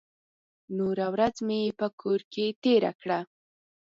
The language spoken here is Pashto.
نوره ورځ مې په کور کې تېره کړه.